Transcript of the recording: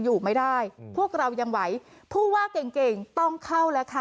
อยู่ไม่ได้พวกเรายังไหวผู้ว่าเก่งเก่งต้องเข้าแล้วค่ะ